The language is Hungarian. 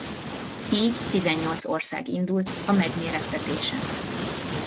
Így tizennyolc ország indult a megmérettetésen.